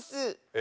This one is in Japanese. え？